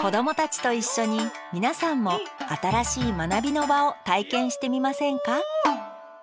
子どもたちと一緒に皆さんも新しい学びの場を体験してみませんか？